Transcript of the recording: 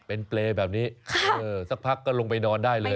เป็นเปรย์แบบนี้สักพักก็ลงไปนอนได้เลย